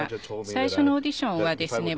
最初のオーディションはですね